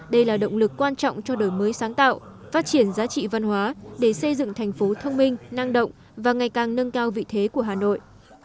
đây là động lực quan trọng cho đổi mới sáng tạo phát triển giá trị văn hóa để xây dựng thành phố thông minh năng động và ngày càng nâng cao vị thế của hà nội